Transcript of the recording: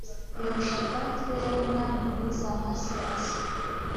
yehoshafati we yari umwami mwiza nka se asa